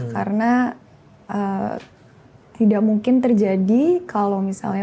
karena tidak mungkin terjadi kalau misalnya